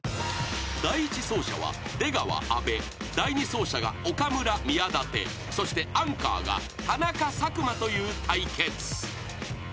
［第１走者は出川阿部第２走者が岡村宮舘そしてアンカーが田中佐久間という対決］